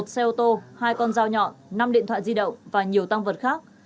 một xe ô tô hai con dao nhọn năm điện thoại di động và nhiều tăng vật khác